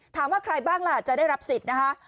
ถามว่าใครบ้างล่ะจะได้รับสิทธิ์นะคะ